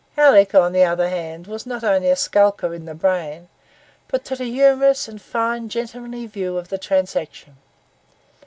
Alick, on the other hand, was not only a skulker in the grain, but took a humorous and fine gentlemanly view of the transaction.